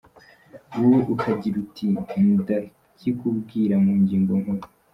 Wowe ukagira uti ndakikubwira mu ngingo nkuru.